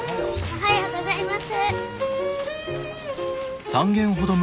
おはようございます。